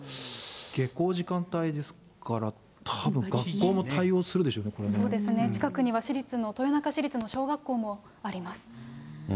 下校時間帯ですから、たぶん、そうですね、近くには市立の、豊中市立の小学校もあります。